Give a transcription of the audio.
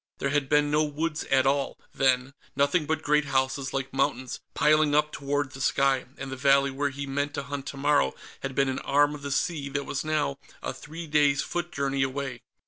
There had been no woods at all, then; nothing but great houses like mountains, piling up toward the sky, and the valley where he meant to hunt tomorrow had been an arm of the sea that was now a three days' foot journey away.